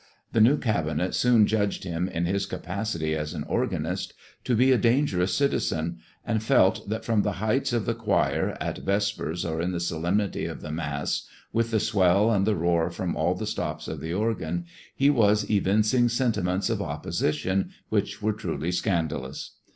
The new cabinet soon judged him, in his capacity as an organist, to be a dangerous citizen, and felt that from the heights of the choir, at vespers or in the solemnity of the Mass, with the swell and the roar from all the stops of the organ, he was evincing sentiments of opposition which were truly scandalous.